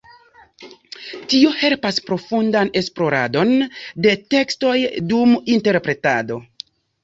Tio helpas profundan esploradon de tekstoj dum interpretado.